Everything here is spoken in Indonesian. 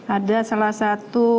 ada salah satu